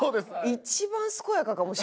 一番健やかかもしれへんね。